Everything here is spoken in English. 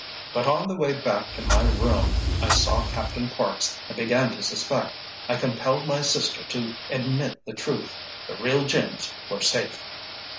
But on the way back to my room I saw Captain Parks, and began to suspect. I compelled my sister to admit the truth. The real gems were safe.